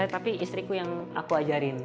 tapi istriku yang aku ajarin